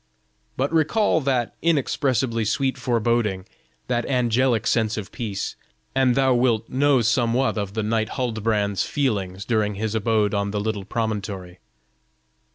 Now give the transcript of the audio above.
But recall that inexpressibly sweet foreboding, that angelic sense of peace, and thou wilt know somewhat of the knight Huldbrand's feelings during his abode on the little promontory.